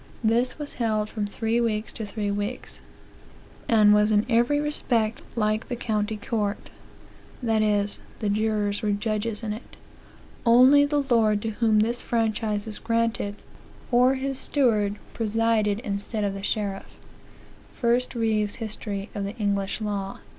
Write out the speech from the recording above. This was held from three weeks to three weeks, and was in every respect like the county court;" (that is, the jurors were judges in it;) "only the lord to whom this franchise was granted, or his steward presided instead of the sheriff;" 1 Reeve's History of the English Law, p.